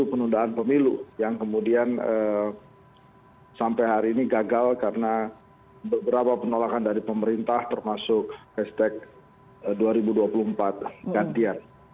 penundaan pemilu yang kemudian sampai hari ini gagal karena beberapa penolakan dari pemerintah termasuk hashtag dua ribu dua puluh empat gantian